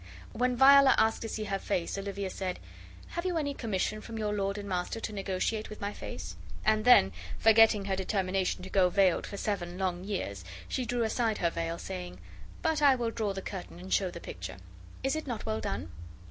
When Viola asked to see her face, Olivia said, "Have you any commission from your lord and master to negotiate with my face?" And then, forgetting her determination to go veiled for seven long years, she drew aside her veil, saying: "But I will draw the curtain and show the picture. Is it not well done?"